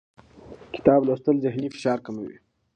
کتاب لوستل د ذهني فشار کموي